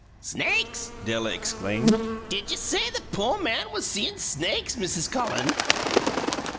"Snakes!" Della exclaimed. "Didja say the poor man was seein' snakes, Mrs. Cullen?"